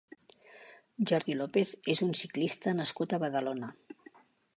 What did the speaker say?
Jordi López és un ciclista nascut a Badalona.